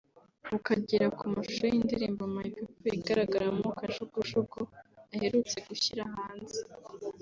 ukagera ku mashusho y’indirimbo ‘My People’ igaragaramo kajugujugu aherutse gushyira hanze